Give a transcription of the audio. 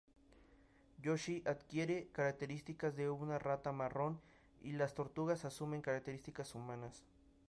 Yoshi adquiere características de una rata marrón y las tortugas asumen características humanas.